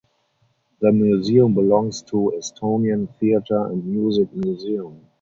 The museum belongs to Estonian Theatre and Music Museum.